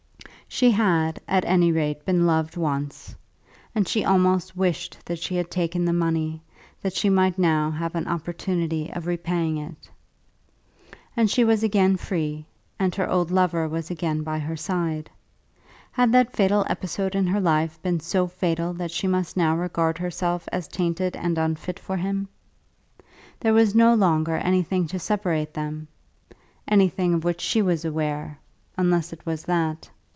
She had, at any rate, been loved once; and she almost wished that she had taken the money, that she might now have an opportunity of repaying it. And she was again free, and her old lover was again by her side. Had that fatal episode in her life been so fatal that she must now regard herself as tainted and unfit for him? There was no longer anything to separate them, anything of which she was aware, unless it was that.